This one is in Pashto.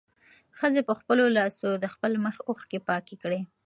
ښځې په خپلو لاسو د خپل مخ اوښکې پاکې کړې.